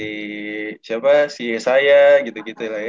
si siapa si saya gitu gitu lah ya